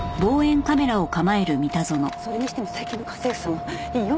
それにしても最近の家政婦さんは用意がいいのね。